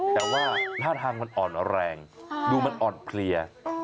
แต่ว่าหน้าทางมันอ่อนแรงดูมันอ่อนเพลีย